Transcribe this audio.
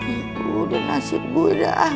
itu udah nasib gue dah